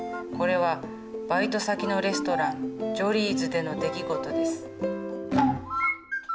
これはバイト先のレストランジョリーズでの出来事です。